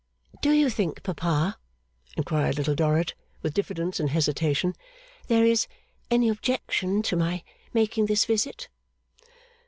'Do you think, Papa,' inquired Little Dorrit, with diffidence and hesitation, 'there is any objection to my making this visit?